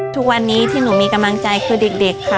ทุกวันนี้ที่หนูมีกำลังใจคือเด็กค่ะ